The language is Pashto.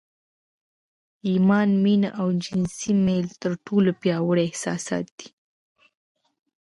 ايمان، مينه او جنسي ميل تر ټولو پياوړي احساسات دي.